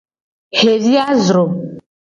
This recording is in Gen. Xevi a zro.